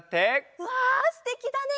うわすてきだね。